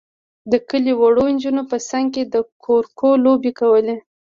د کلي وړو نجونو به څنګ کې د کورکو لوبې کولې.